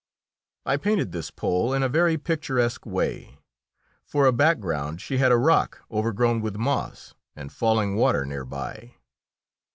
I painted this Pole in a very picturesque way: for a background she had a rock overgrown with moss, and falling water nearby.